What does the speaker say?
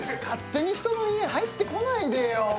勝手に人の家入ってこないでよ。